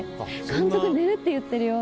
監督寝るって言ってるよ！